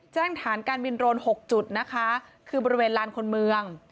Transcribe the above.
ฐานการบินโรน๖จุดนะคะคือบริเวณลานคนเมือง